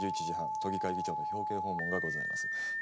１１時半都議会議長の表敬訪問がございます。